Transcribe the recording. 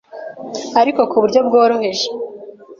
ariko ku buryo bworoheje,